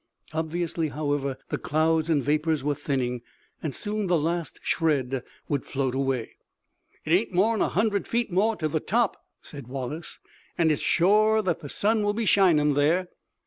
Obviously, however, the clouds and vapors were thinning, and soon the last shred would float away. "It ain't more'n a hundred feet more to the top," said Wallace, "an' it's shore that the sun will be shinin' there."